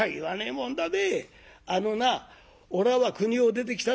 そんでおらは国を出てきただ。